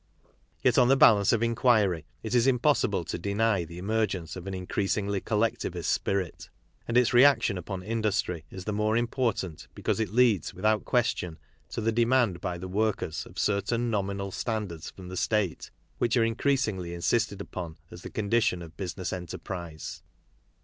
Yet, on the balance of inquiry, it is impossible to deny the emergence of an increasingly collectivist spirit. And its reaction upon industry is the more important because it leads, without question, to the demand by the workers of certain nominal standards from the state which are increasingly insisted upon as the condition of business enterprise.